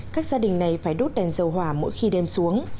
các gia đình này phải đốt đèn dầu hỏa mỗi khi đem xuống